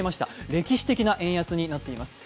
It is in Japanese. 歴史的な円安になっています。